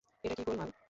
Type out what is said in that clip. এটা কি গোলমাল?